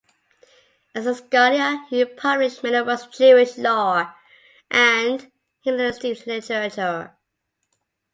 As a scholar, he published many works on Jewish law and Hellenistic literature.